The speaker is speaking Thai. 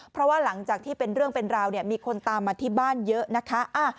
เพราะว่าหลังจากที่เป็นเรื่องเป็นราวเนี่ยมีคนตามมาที่บ้านเยอะนะคะ